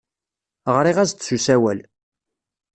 Ɣriɣ-as-d s usawal.